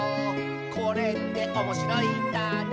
「これっておもしろいんだね」